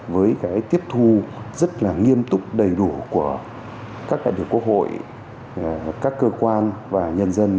với cái tiếp thu rất là nghiêm túc đầy đủ của các đại biểu quốc hội các cơ quan và nhân dân